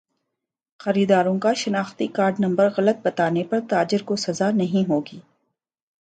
خریداروں کا شناختی کارڈ نمبر غلط بتانے پر تاجر کو سزا نہیں ہوگی